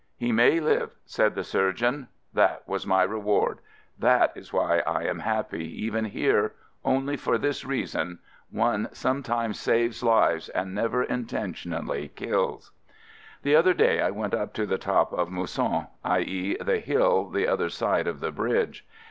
"He may live" said the surgeon. That was my reward ! That is why I am happy, even here, — only for this reason, — one sometimes saves lives and never inten tionally kills. The other day I went up to the top of Mousson — i.e., the hill the other side of the bridge.